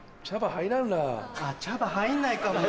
あっ茶葉入んないかも。